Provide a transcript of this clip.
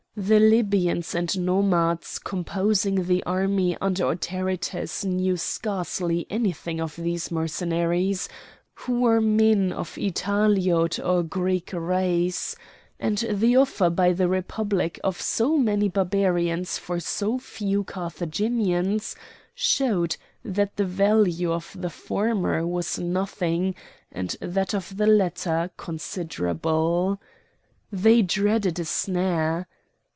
The Libyans and Nomads composing the army under Autaritus knew scarcely anything of these Mercenaries, who were men of Italiote or Greek race; and the offer by the Republic of so many Barbarians for so few Carthaginians, showed that the value of the former was nothing and that of the latter considerable. They dreaded a snare.